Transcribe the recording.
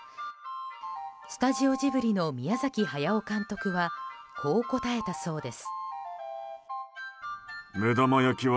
スタジオジブリの宮崎駿監督はこう答えたそうです。